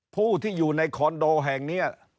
ผู้ที่อยู่ในคอนโดแห่งนี้